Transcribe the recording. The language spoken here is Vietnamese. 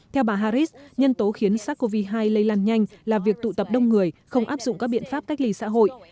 theo bà harris nhân tố khiến sars cov hai lây lan nhanh là việc tụ tập đông người không áp dụng các biện pháp cách ly xã hội